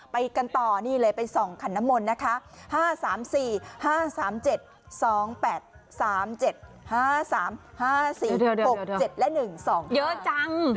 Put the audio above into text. ไปกันต่อนี่เลยไปส่องขันน้ำมนต์นะคะ๕๓๔๕๓๗๒๘๓๗๕๓๕๔๖๗และ๑๒เยอะจัง